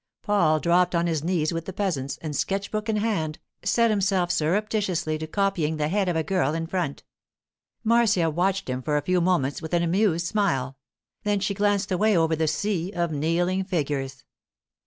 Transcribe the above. Paul dropped on his knees with the peasants, and, sketch book in hand, set himself surreptitiously to copying the head of a girl in front. Marcia watched him for a few moments with an amused smile; then she glanced away over the sea of kneeling figures.